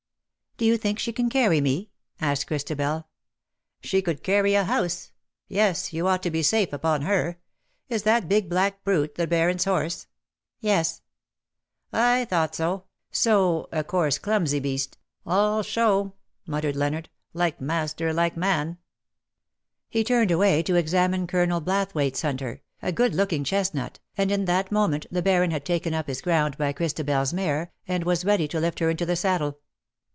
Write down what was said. " Do you think she can carry me T' asked Christabel. '* She could carry a house. Yes ; you ought to be safe upon her. Is that big black brute the Baron^s horse T' '' I thought so — a coarse clumsy beast, all k2 132 " GAI DONC^ LA VOYAGEUSE, show/' muttered Leonard; "like master, like man/' He turned away to examine Colonel Blathwayt's hunter, a good looking chestnut_, and in that moment the Baron had taken up his ground by Christabel's mare, and was ready to lift her into the saddle.